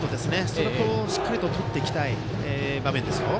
それを、しっかりとっていきたい場面ですよ。